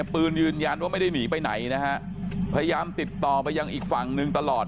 ปืนยืนยันว่าไม่ได้หนีไปไหนนะฮะพยายามติดต่อไปยังอีกฝั่งหนึ่งตลอด